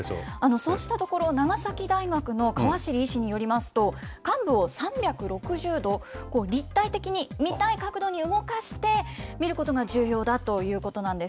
そうしたところ、長崎大学の川尻医師によりますと、患部を３６０度、立体的に見たい角度に動かして診ることが重要だということなんです。